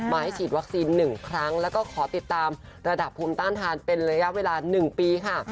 ให้ฉีดวัคซีน๑ครั้งแล้วก็ขอติดตามระดับภูมิต้านทานเป็นระยะเวลา๑ปีค่ะ